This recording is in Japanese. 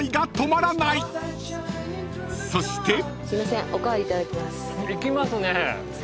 ［そして］いきますね。